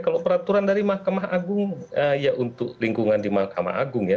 kalau peraturan dari mahkamah agung ya untuk lingkungan di mahkamah agung ya